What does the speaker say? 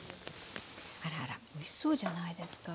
あらあらおいしそうじゃないですか？